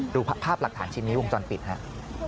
ดูภาพหลักฐานชิ้นนี้วงจรปิดครับ